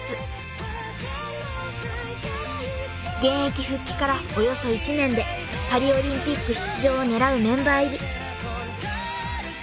［現役復帰からおよそ１年でパリオリンピック出場を狙うメンバー入り］